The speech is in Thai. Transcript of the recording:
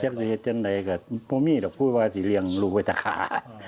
เจ้าสีเห็ดจังใดแบบนี้ก็พูดว่าสีเหลียงลูกไว้จากขา